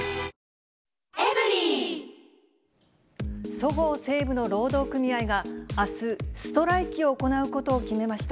そごう・西武の労働組合があす、ストライキを行うことを決めました。